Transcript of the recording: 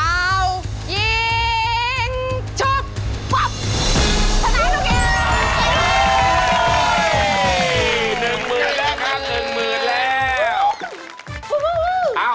เอาเปล่าสุพันธุ์ก็สุพันธุ์